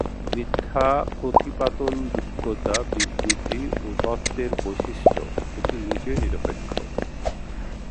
মিথ্যা-প্রতিপাদনযোগ্যতা বিবৃতি ও তত্ত্বের বৈশিষ্ট্য, এটি নিজে নিরপেক্ষ।